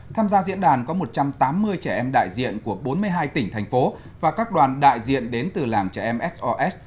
tham gia diễn đàn có một trăm tám mươi trẻ em đại diện của bốn mươi hai tỉnh thành phố và các đoàn đại diện đến từ làng trẻ em sos